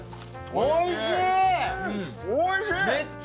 おいしい！